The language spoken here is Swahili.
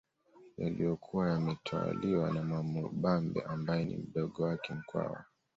Yaliyokuwa yametwaliwa na Mwamubambe ambaye ni mdogo wake Mkwawa